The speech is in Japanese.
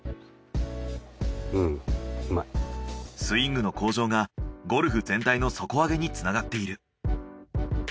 スイングの向上がゴルフ全体の底上げにつながっている。